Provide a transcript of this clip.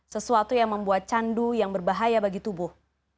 sesuatu yang membuat candu yang berbahaya bagi tubuh